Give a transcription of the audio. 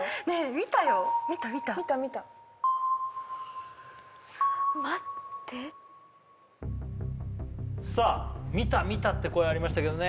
見た見た・見た見た待ってさあ「見た見た」って声ありましたけどね